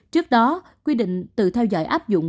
trước đó quy định tự theo dõi áp dụng